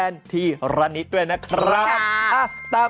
สกิดยิ้ม